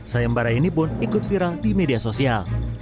sayem bara ini pun ikut viral di media sosial